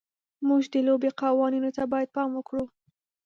موږ د لوبې قوانینو ته باید پام وکړو.